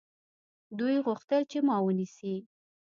دوی غوښتل چې ما ونیسي.